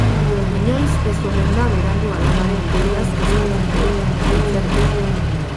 Inoiz ez omen da berandu alabaren irudiaz kezkatzeko eta, gaitzerdi.